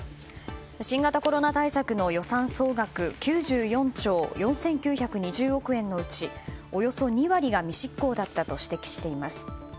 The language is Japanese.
新型コロナ対策の予算総額９４兆４９２０億円のうちおよそ２割が未執行だったと指摘しています。